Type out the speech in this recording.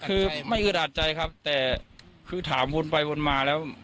คือไม่อือดาดใจครับแต่คือถามวนไปวนมาแล้ว